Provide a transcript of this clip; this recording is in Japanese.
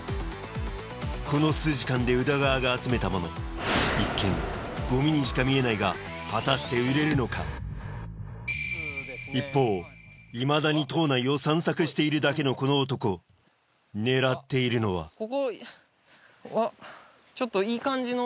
この数時間で宇田川が集めたもの一見ゴミにしか見えないが一方いまだに島内を散策しているだけのこの男狙っているのはここ。